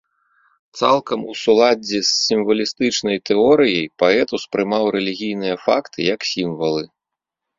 Цалкам у суладдзі з сімвалістычнай тэорыяй паэт успрымаў рэлігійныя факты як сімвалы.